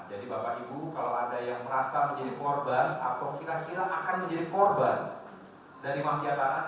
jadi bapak ibu kalau ada yang merasa menjadi korban atau kira kira akan menjadi korban dari mafia tangan